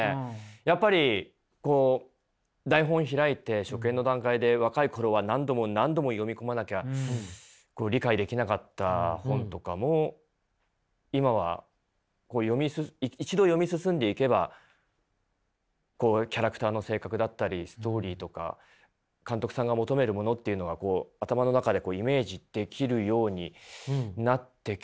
やっぱりこう台本開いて初見の段階で若い頃は何度も何度も読み込まなきゃ理解できなかった本とかも今は一度読み進んでいけばキャラクターの性格だったりストーリーとか監督さんが求めるものっていうのは頭の中でイメージできるようになってきているので。